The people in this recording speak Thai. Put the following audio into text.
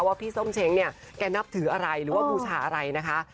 พี่ส้มเช้งเนี่ยแกนับถืออะไรหรือว่าบูชาอะไรนะคะ